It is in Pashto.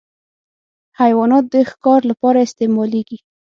حیوانات د ښکار لپاره استعمالېږي.